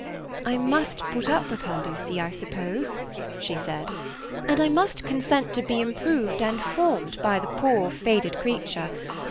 "I must put up with her, Lucy, I suppose," she said, "and I must consent to be improved and formed by the poor, faded creature.